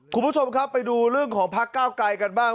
คุณผู้ชมครับไปดูเรื่องของพักเก้าไกลกันบ้าง